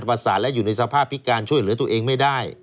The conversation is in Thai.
ประสาทและอยู่ในสภาพพิการช่วยเหลือตัวเองไม่ได้